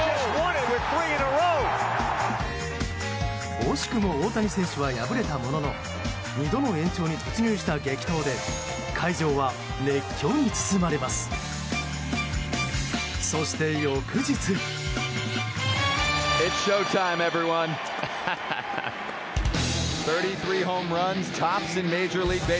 惜しくも大谷選手は敗れたものの２度の延長に突入した激闘で会場は熱狂に包まれます。